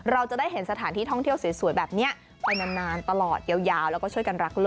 เราจะได้เห็นสถานที่ท่องเที่ยวสวยแบบนี้ไปนานตลอดยาว